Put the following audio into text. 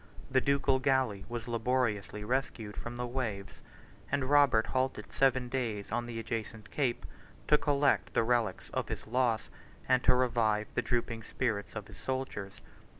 The ducal galley was laboriously rescued from the waves, and Robert halted seven days on the adjacent cape, to collect the relics of his loss, and revive the drooping spirits of his soldiers.